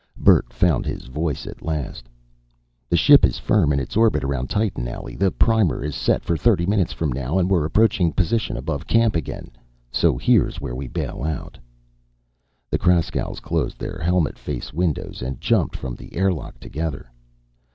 Bert found his voice at last. "The ship is firm in its orbit around Titan, Allie. The primer is set for thirty minutes from now. And we're approaching position above camp again. So here's where we bail out." The Kraskow's closed their helmet face windows and jumped from the airlock together.